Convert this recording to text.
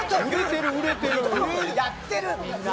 やってるよ、みんな。